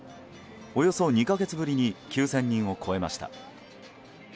およそ２か月ぶりに９０００人を超えました。